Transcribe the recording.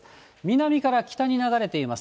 南から北に流れています。